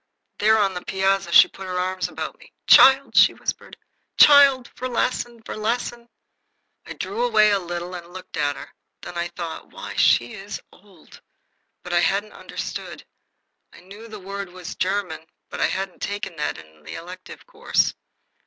There on the piazza she put her arms about me. "Child!" she whispered. "Child! Verlassen! Verlassen!" I drew away a little and looked at her. Then I thought: "Why, she is old!" But I hadn't understood. I knew the word was German, and I hadn't taken that in the elective course.